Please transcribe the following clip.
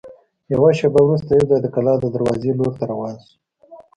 یوه شېبه وروسته یوځای د کلا د دروازې لور ته روان شوو.